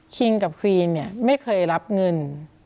กับควีนเนี่ยไม่เคยรับเงิน